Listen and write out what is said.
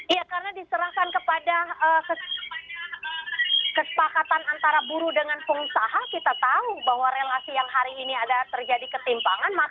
iya karena diserahkan kepada kesepakatan antara buruh dengan pengusaha kita tahu bahwa relasi yang hari ini ada terjadi ketimpangan